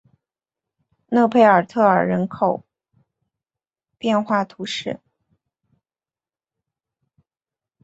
勒佩尔特尔人口变化图示